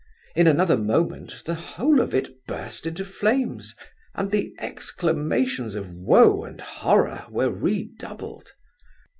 In another moment, the whole of it burst into flames, and the exclamations of woe and horror were redoubled.